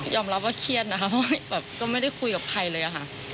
ยอมรับว่าเครียดนะฮะเพราะว่างไม่ได้คุยหากับใครเลย